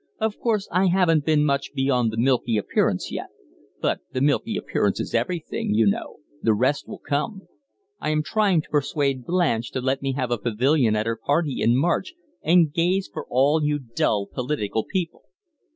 Of course I haven't been much beyond the milky appearance yet, but the milky appearance is everything, you know; the rest will come. I am trying to persuade Blanche to let me have a pavilion at her party in March, and gaze for all you dull political people."